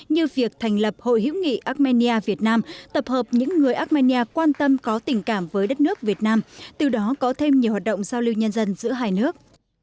như việc thành lập hội hữu nghị armenia việt nam tập hợp những người armenia quan tâm có tình cảm với đất nước việt nam từ đó có thêm nhiều hoạt động giao lưu nhân dân giữa hai nước